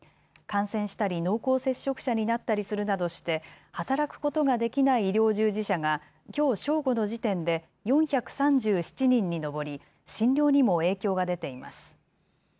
感染したり濃厚接触者になったりするなどして働くことができない医療従事者がきょう正午の時点で４３７人に上り診療にも影響が出ています。